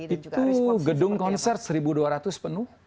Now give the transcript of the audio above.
itu gedung konser seribu dua ratus penuh